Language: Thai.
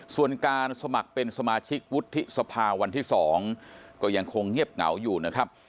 ส่วนการสมัครเป็นสมาชิกวุฒิสภาวันที่๒ก็ยังคงเงียบเหงาอยู่นะครับ